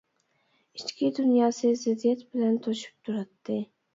ئىچكى دۇنياسى زىددىيەت بىلەن توشۇپ تۇراتتى.